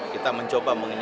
kita mencoba mengingatkan